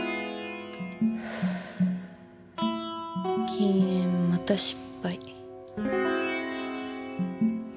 禁煙また失敗。